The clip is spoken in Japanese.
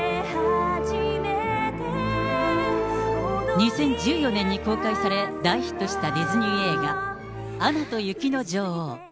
２０１４年に公開され、大ヒットしたディズニー映画、アナと雪の女王。